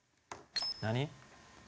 何？